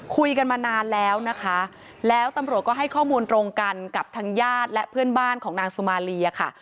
คุยกันมานานแล้วนะคะแล้วตำรวจก็ให้ข้อมูลตรงกันกับทางญาติและเพื่อนบ้านของนางสุมาลีอะค่ะ